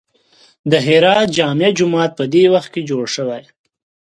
د هرات جامع جومات په دې وخت کې جوړ شوی.